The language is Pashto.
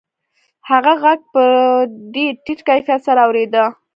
هغه غږ په ډېر ټیټ کیفیت سره اورېده